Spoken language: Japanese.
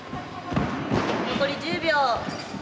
残り１０秒。